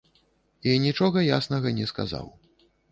І нічога яснага не сказаў.